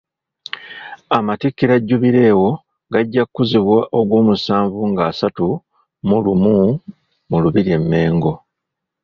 Amatikkira Jubireewo gajja kuzibwa Ogwomusanvu nga asatu mu lumu mu Lubiri e Mengo.